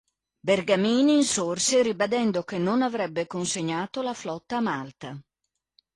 Bergamini insorse ribadendo che non avrebbe consegnato la flotta a Malta.